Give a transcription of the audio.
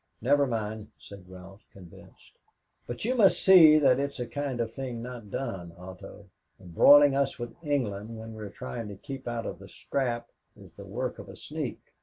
"Never mind," said Ralph, convinced, "but you must see that is a kind of thing not done, Otto. Embroiling us with England when we're trying to keep out of the scrap is the work of a sneak.